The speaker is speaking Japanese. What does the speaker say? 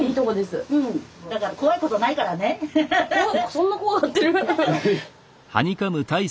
そんな怖がってる？